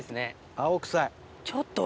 青臭い。